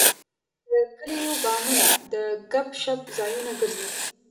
د کلیو بامونه د ګپ شپ ځایونه ګرځي.